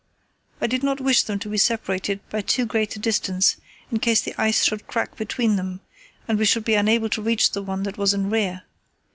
I did not wish them to be separated by too great a distance in case the ice should crack between them, and we should be unable to reach the one that was in rear.